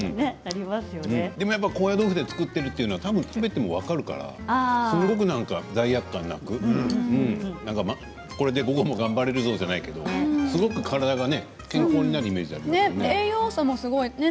でもやっぱり高野豆腐で作っているというのは食べても分かるからすごく罪悪感なくこれで午後も頑張れるぞじゃないけれど体も健康なイメージがありますね。